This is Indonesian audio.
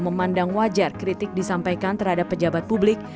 memandang wajar kritik disampaikan terhadap pejabat publik